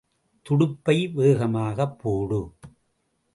துடுப்பை வேகமாகப் போடு.